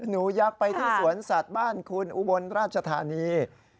ยักษ์ไปที่สวนสัตว์บ้านคุณอุบลราชธานี